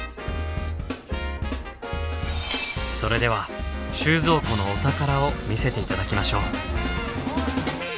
それでは収蔵庫のお宝を見せて頂きましょう。